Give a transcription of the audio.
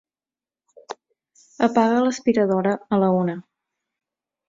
Apaga l'aspiradora a la una.